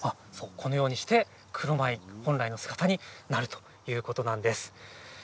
このようにして黒米本来の姿になるということなんです。